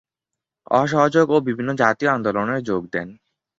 অসহযোগ ও বিভিন্ন জাতীয় আন্দোলনের যোগ দেন।